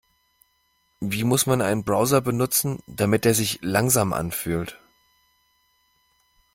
Wie muss man einen Browser benutzen, damit er sich langsam anfühlt?